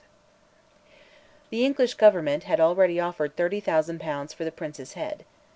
The English Government had already offered 30,000 pounds for the Prince's head.